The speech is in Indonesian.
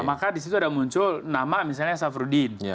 maka di situ ada muncul nama misalnya safruddin